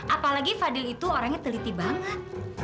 apalagi fadil itu orangnya teliti banget